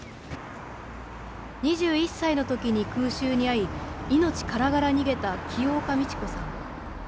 ２１歳のときに空襲に遭い、命からがら逃げた清岡美知子さん。